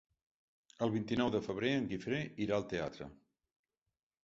El vint-i-nou de febrer en Guifré irà al teatre.